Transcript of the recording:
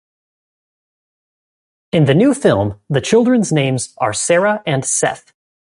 In the new film, the children's names are Sara and Seth.